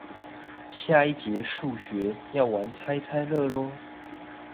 下一節數學，要玩猜猜樂囉